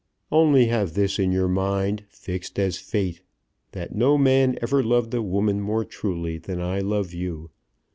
"Only have this in your mind, fixed as fate, that no man ever loved a woman more truly than I love you.